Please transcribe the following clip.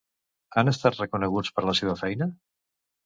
Han estat reconeguts per la seva feina?